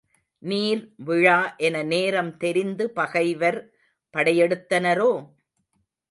நீர்விழா என நேரம் தெரிந்து பகைவர் படையெடுத்தனரோ?